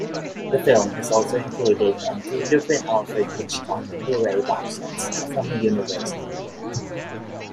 The film is also included on two different Alfred Hitchcock Blu-ray boxsets from Universal.